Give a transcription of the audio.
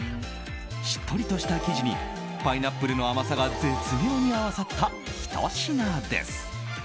しっとりとした生地にパイナップルの甘さが絶妙に合わさったひと品です。